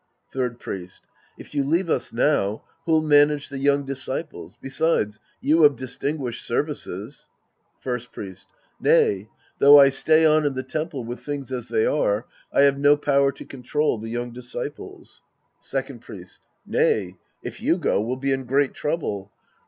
Third Priest. If you leave us now, who'll manage the young disciples ? Besides, you of distinguished services — First Priest. Nay. Though I stay on in the temple, with things as they are, I have no power to control the young disciples. 196 The Priest and His Disciples Act V Second Priest. Nay. If you go, we'll be in great trouble.